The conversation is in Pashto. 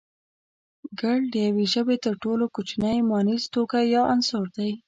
گړ د يوې ژبې تر ټولو کوچنی مانيز توکی يا عنصر دی